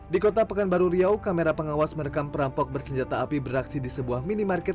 di kota pekanbaru riau kamera pengawas merekam perampok bersenjata api beraksi di sebuah minimarket